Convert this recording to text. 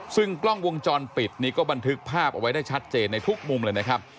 ซึ่งกล้องวงจรปิดนี้ก็บันทึกภาพเอาไว้ได้ชัดเจนในทุกมุมเลยนะครับ